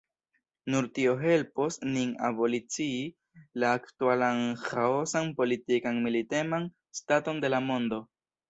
Nur tio helpos nin abolicii la aktualan ĥaosan politikan militeman staton de la mondo.